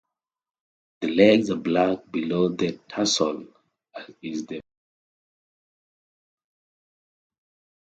The legs are black below the tarsal as is the muzzle.